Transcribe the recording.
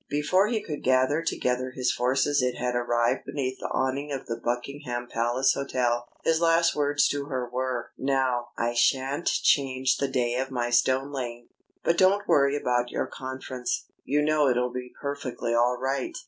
Before he could gather together his forces it had arrived beneath the awning of the Buckingham Palace Hotel. His last words to her were: "Now, I sha'nt change the day of my stone laying. But don't worry about your conference. You know it'll be perfectly all right."